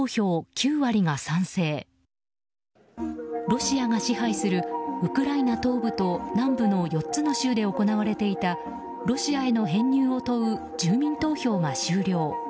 ロシアが支配するウクライナ東部と南部の４つの州で行われていたロシアへの編入を問う住民投票が終了。